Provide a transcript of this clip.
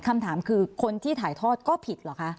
คำถามคือคนที่ถ่ายทอดก็ผิดเหรอคะ